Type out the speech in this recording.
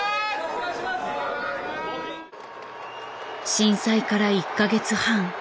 震災から１か月半。